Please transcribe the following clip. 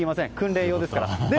訓練用ですから。